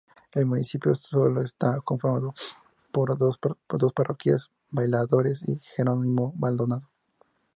El municipio solo está conformado por dos parroquias, Bailadores y Gerónimo Maldonado.